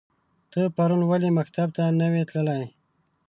ته پرون ولی مکتب ته نه وی تللی؟